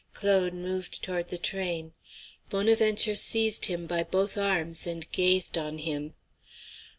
Claude moved toward the train. Bonaventure seized him by both arms and gazed on him.